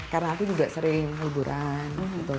karena aku juga sering liburan